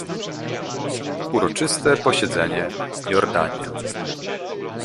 Uroczyste posiedzenie - Jordania